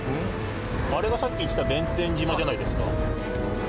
あれがさっき言ってた弁天島じゃないですか？